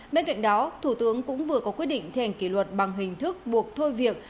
bên cạnh đó thủ tướng cũng vừa có quyết định thi hành kỷ luật bằng hình thức buộc thôi việc